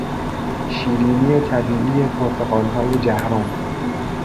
شیرینی طبیعی پرتقالهای جهرم